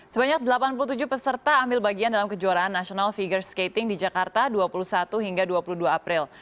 sebanyak delapan puluh tujuh peserta ambil bagian dalam kejuaraan nasional figure skating di jakarta dua puluh satu hingga dua puluh dua april